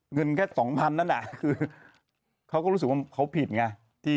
เงินแค่๒๐๐นั่นน่ะคือเขาก็รู้สึกว่าเขาผิดไง